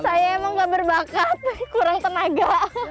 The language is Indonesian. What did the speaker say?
saya emang gak berbakat kurang tenaga